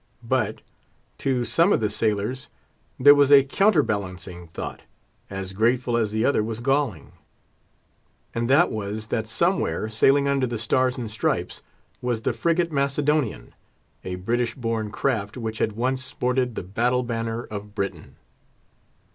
But, to some of the sailors, there was a counterbalancing thought, as grateful as the other was galling, and that was, that somewhere, sailing under the stars and stripes, was the frigate Macedonian, a British born craft which had once sported the battle banner of Britain.